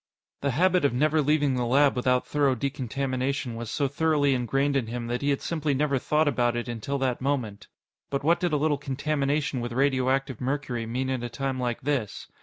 The habit of never leaving the lab without thorough decontamination was so thoroughly ingrained in him that he had simply never thought about it until that moment. But what did a little contamination with radioactive mercury mean at a time like this?